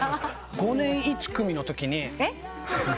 ５年１組のとき。